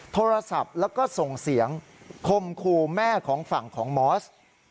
โทรศัพท์แล้วก็ส่งเสียงคมคู่แม่ของฝั่งของมอส